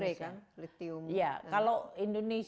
lu mengatakan ini baterai kan lithium